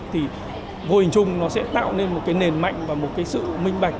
thì vô hình chung nó sẽ tạo nên một cái nền mạnh và một cái sự minh bạch